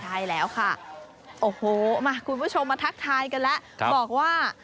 ใช่แล้วค่ะโอ้โหมาคุณผู้ชมมาทักทายกันแล้วบอกว่า